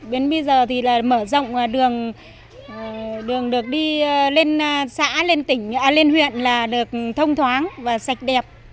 đến bây giờ thì mở rộng đường được đi lên xã lên huyện là được thông thoáng và sạch đẹp